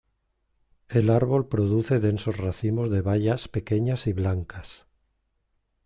El árbol produce densos racimos de bayas pequeñas y blancas.